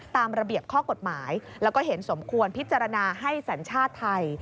ตามระเบียบข้อกฎหมายแล้วก็เห็นสมควรพิจารณาให้สัญชาติไทย